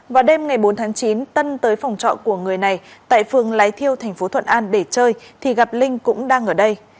vào đêm ngày bốn tháng chín tân tới phòng trọ của người này tại phường lái thiêu thành phố thuận an để chơi thì gặp linh cũng đang ở đây